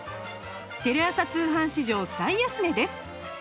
テレ朝通販史上最安値です